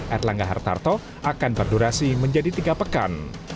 erlangga hartarto akan berdurasi menjadi tiga pekan